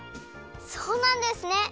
そうなんですね！